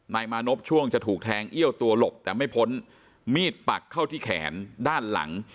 นายมานพช่วงจะถูกแทงเอี้ยวตัวหลบแต่ไม่พ้นมีดปักเข้าที่แขนด้านหลัง